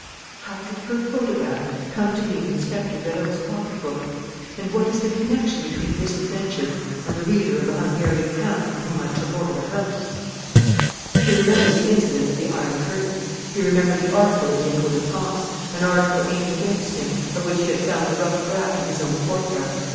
How did her photograph come to be in Inspector Vérot's pocket book? And what is the connection between this adventure and the reader of the Hungarian count from whom I took over the house?" He remembered the incident of the iron curtain. He remembered the article in the Echo de France, an article aimed against him, of which he had found the rough draft in his own courtyard.